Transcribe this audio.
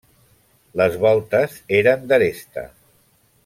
Les voltes eren d'aresta.